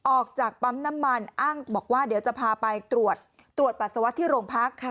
ออกจากปั๊มน้ำมันอ้างบอกว่าเดี๋ยวจะพาไปตรวจตรวจปัสสาวะที่โรงพัก